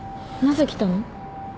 なぜ来たの？